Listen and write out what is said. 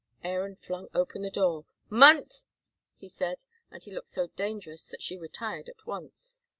Aaron flung open the door. "Munt!" he said, and he looked so dangerous that she retired at once.